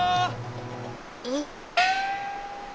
えっ？